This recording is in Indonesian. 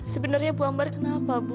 sebenarnya bu ambar kenapa bu